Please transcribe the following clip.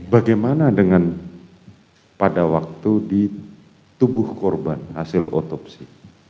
bagaimana dengan pada waktu di tubuh korban hasil otopsi